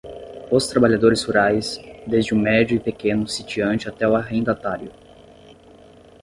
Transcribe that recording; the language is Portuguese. Os trabalhadores rurais, desde o médio e pequeno sitiante até o arrendatário